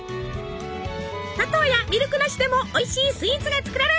砂糖やミルクなしでもおいしいスイーツが作れる！